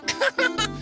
ハハハハ。